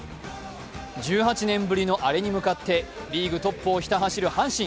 １８年ぶりのアレに向かってリーグトップをひた走る阪神。